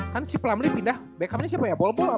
kan si plumlee pindah backupnya siapa ya bol bol apa